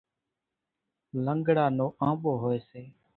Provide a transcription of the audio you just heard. لنڳڙا نو آنٻو هوئيَ سي۔